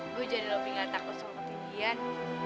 gue jadi lebih gak takut sama ketinggian